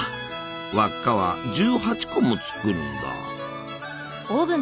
輪っかは１８個も作るんだ。